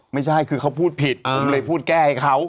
ไม่ใช่คือเขาพูดผิดผมเลยพูดแก้ให้เขา